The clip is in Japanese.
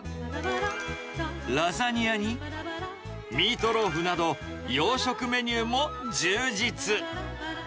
ラザニアにミートローフなど、洋食メニューも充実。